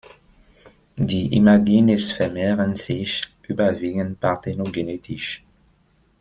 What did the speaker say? Die Imagines vermehren sich überwiegend parthenogenetisch.